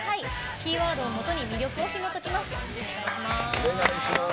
キーワードを基に魅力をひもときます。